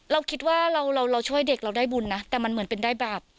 เราคิดว่าเราเราช่วยเด็กเราได้บุญนะแต่มันเหมือนเป็นได้บาป